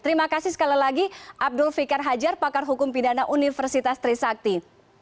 terima kasih sekali lagi abdul fikar hajar pakar hukum pidana universitas trisakti